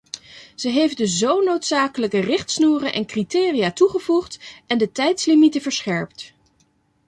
Ze heeft de zo noodzakelijke richtsnoeren en criteria toegevoegd en de tijdslimieten verscherpt.